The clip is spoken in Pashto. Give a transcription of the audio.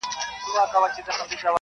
امیرحمزه بابا روح دي ښاد وي,